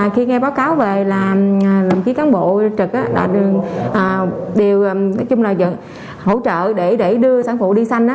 khi nghe báo cáo về là đồng chí cán bộ trực đều hỗ trợ để đưa sản phụ đi xanh